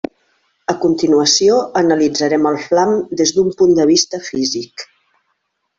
A continuació analitzarem el flam des d'un punt de vista físic.